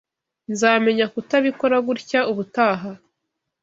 Nzamenya kutabikora gutya ubutaha.